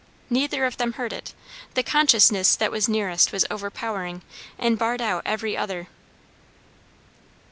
Neither of them heard it. The consciousness that was nearest was overpowering, and barred out every other.